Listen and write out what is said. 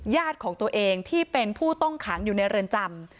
ญาติของตัวเองที่เป็นผู้ต้องขังอยู่ในเรือนจำ